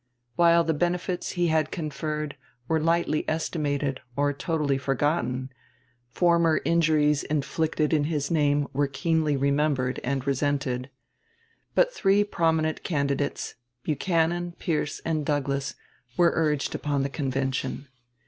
While the benefits he had conferred were lightly estimated or totally forgotten, former injuries inflicted in his name were keenly remembered and resented. But three prominent candidates, Buchanan, Pierce, and Douglas, were urged upon the convention.